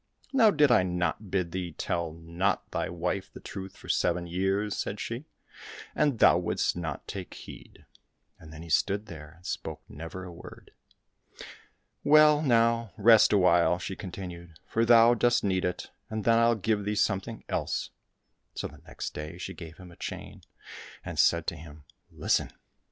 " Now, did I not bid thee tell not thy wife the truth for seven years ?" said she, " and thou wouldst not take heed." And he stood there, and spoke never a word. " Well, now, rest awhile," she continued, " for thou dost need it, and then I'll give thee something else." So the next day she gave him a chain, and said to him, " Listen